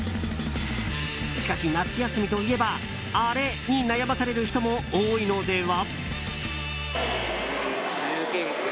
しかし、夏休みといえばあれに悩まされる人も多いのでは？